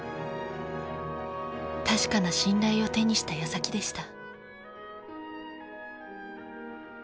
確かな信頼を手にしたやさきでした。